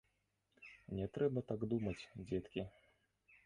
Не трэба так думаць, дзеткі.